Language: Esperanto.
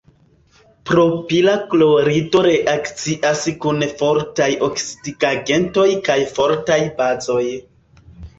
Propila klorido reakcias kun fortaj oksidigagentoj kaj fortaj bazoj.